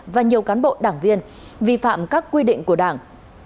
và nhiều cán bộ đảng viên vi phạm các quy định của đảng